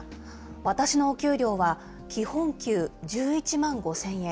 私のお給料は基本給１１万５０００円。